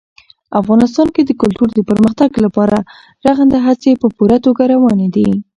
افغانستان کې د کلتور د پرمختګ لپاره رغنده هڅې په پوره توګه روانې دي.